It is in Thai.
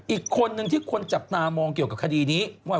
อีกคนนึงที่คนจับตามองเกี่ยวกับคดีนี้ว่า